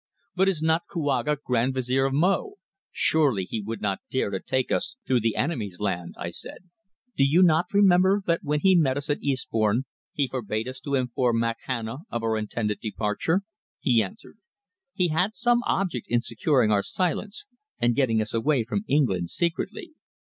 "But is not Kouaga Grand Vizier of Mo? Surely he would not dare to take us through the enemy's land," I said. "Do you not remember that when he met us at Eastbourne he forbade us to inform Makhana of our intended departure?" he answered. "He had some object in securing our silence and getting us away from England secretly.